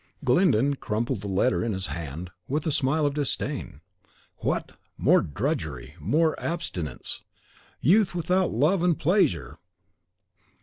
Glyndon crumpled the letter in his hand with a smile of disdain. What! more drudgery, more abstinence! Youth without love and pleasure!